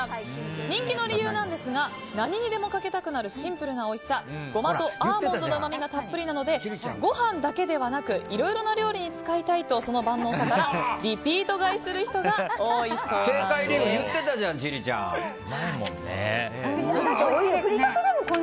人気の理由ですが何にでもかけたくなるシンプルなおいしさゴマとアーモンドのうまみがたっぷりなのでご飯だけではなくいろいろな料理に使いたいと、その万能さからリピート買いする人が言ってたじゃん、千里ちゃん。